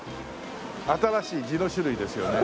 新しい痔の種類ですよね？